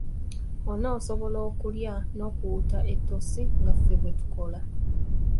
Onoosobola okulya n'okuwuuta ettosi nga ffe bwe tukola?